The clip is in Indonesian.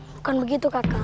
bukan begitu kakak